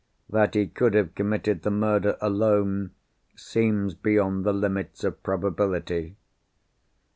That he could have committed the murder alone, seems beyond the limits of probability.